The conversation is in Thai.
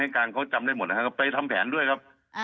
การเขาจำได้หมดนะครับไปทำแผนด้วยครับ